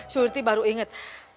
surti baru ingat